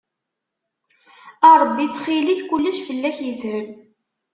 A Ṛebbi ttxil-k kullec fell-ak yeshel.